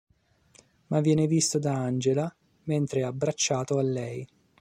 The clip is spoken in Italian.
Ma viene visto da Angela mentre è abbracciato a lei.